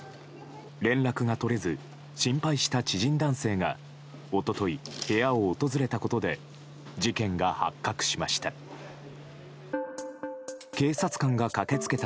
連絡が取れず心配した知人男性が一昨日、部屋を訪れたことで事件が発覚しました。